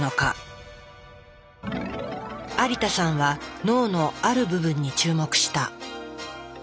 有田さんは脳のある部分に注目した。